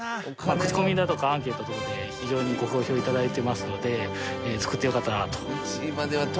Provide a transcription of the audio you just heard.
口コミだとかアンケート等で非常にご好評頂いてますので作ってよかったなと。